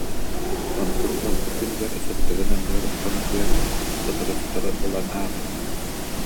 Онтун ылбыт күнүгэр сыттыгын анныгар уктан утуйара, сотору-сотору ылан ааҕара